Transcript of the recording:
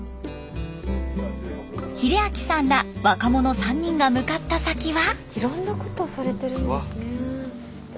秀明さんら若者３人が向かった先は。